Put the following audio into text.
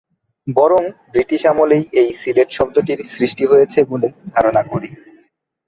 বরং ব্রিটিশ আমলেই এই সিলেট শব্দটির সৃষ্টি হয়েছে বলে ধারণা করি।